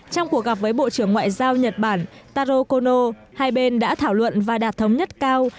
trong cuộc gặp với bộ trưởng ngoại giao nhật bản taro kono hai bên đã thảo luận và đạt thống nhất cao